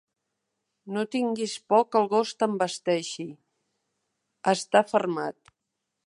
No tinguis por que el gos t'envesteixi: està fermat.